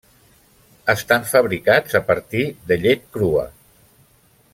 Estan fabricats a partir de llet crua.